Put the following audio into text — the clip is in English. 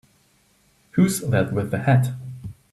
Who's that with the hat?